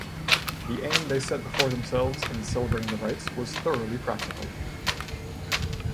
The aim they set before themselves in celebrating the rites was thoroughly practical.